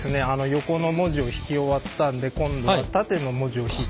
横の文字を引き終わったんで今度は縦の文字を引いていきます。